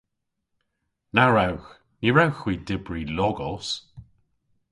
Na wrewgh! Ny wrewgh hwi dybri logos.